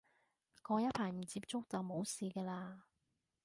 過一排唔接觸就冇事嘅喇